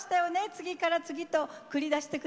次から次と繰り出して下すって。